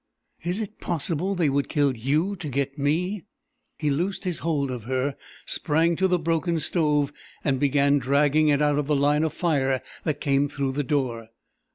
"Is it possible they would kill you to get me?" He loosed his hold of her, sprang to the broken stove, and began dragging it out of the line of fire that came through the door.